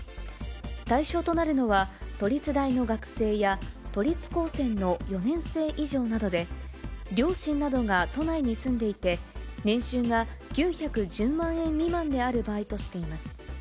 対象となるのは、都立大の学生や都立高専の４年生以上などで、両親などが都内に住んでいて年収が９１０万円未満である場合としています。